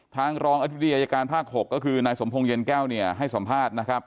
รองอธิบดีอายการภาค๖ก็คือนายสมพงษ์เย็นแก้วเนี่ยให้สัมภาษณ์นะครับ